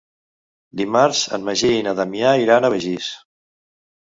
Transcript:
Dimarts en Magí i na Damià iran a Begís.